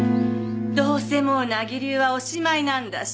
どうせもう名木流はおしまいなんだし。